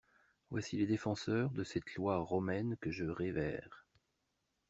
Voici les défenseurs de cette Loi romaine que je révère.